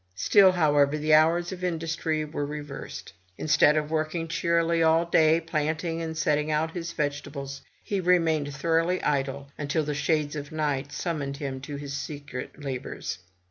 Still, however, the hours of industry were reversed. Instead of working cheerily all day, planting and setting out his vegetables, he remained thoughtfully idle, until the shades of night summoned him to his secret labors.